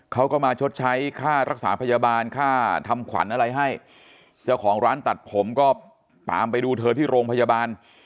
เขาก็มาชดใช้ค่ารักษาพยาบาลค่าทำขวัญอะไรให้เจ้าของร้านตัดผมก็ตามไปดูเธอที่โรงพยาบาล